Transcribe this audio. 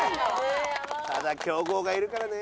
ただ強豪がいるからね。